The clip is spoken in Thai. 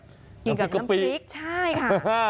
กินกับน้ำพริกใช่ค่ะ